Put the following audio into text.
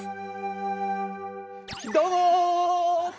どうも！